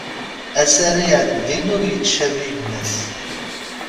Ass ara iɛeddin ur yettcabi gma-s.